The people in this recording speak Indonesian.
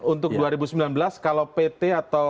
untuk dua ribu sembilan belas kalau pt atau